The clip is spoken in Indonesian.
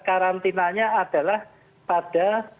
karantinanya adalah pada